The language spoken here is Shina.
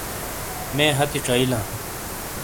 مے ہَتی چائیلاں۔